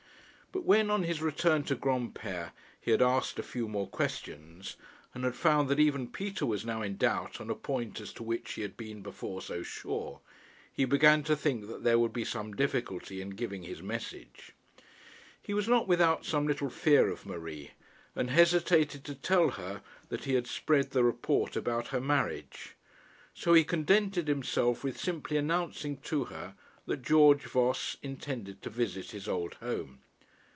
But when, on his return to Granpere, he had asked a few more questions, and had found that even Peter was now in doubt on a point as to which he had before been so sure, he began to think that there would be some difficulty in giving his message. He was not without some little fear of Marie, and hesitated to tell her that he had spread the report about her marriage. So he contented himself with simply announcing to her that George Voss intended to visit his old home.